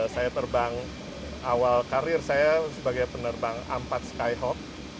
saya terbang awal karir saya sebagai penerbang a empat skyholk